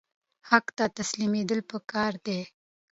حق ته تسلیمیدل پکار دي